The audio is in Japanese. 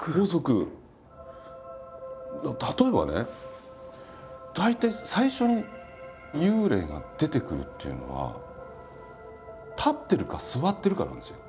例えばね大抵最初に幽霊が出てくるっていうのは立ってるか座ってるかなんですよ。